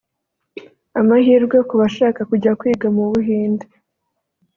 Amahirwe ku bashaka kujya kwiga mu Buhinde